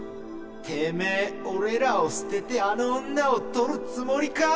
てめえ俺らを捨ててあの女を取るつもりか！？